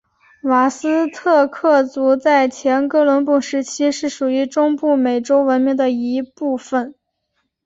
瓦斯特克族在前哥伦布时期是属于中部美洲文明的一部份。